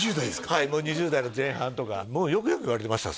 はい２０代の前半とかもうよくよく言われてました